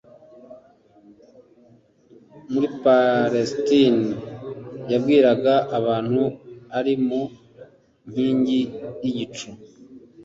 muri Palestine yabwiraga abantu ari mu nkingi yigicu